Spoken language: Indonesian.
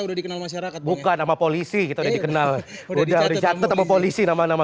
udah dikenal masyarakat bukan nama polisi kita udah dikenal udah dicatat sama polisi nama nama